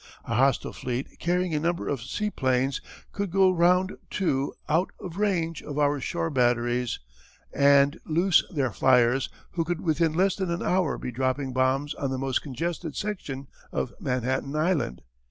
A hostile fleet carrying a number of seaplanes could round to out of range of our shore batteries and loose their flyers who could within less than an hour be dropping bombs on the most congested section of Manhattan Island.